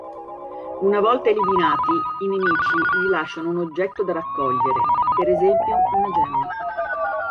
Una volta eliminati, i nemici rilasciano un oggetto da raccogliere, per esempio una gemma.